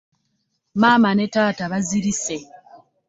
Maama ne taata bazirise.